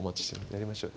やりましょう。